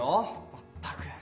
まったく！